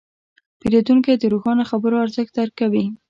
پیرودونکی د روښانه خبرو ارزښت درک کوي.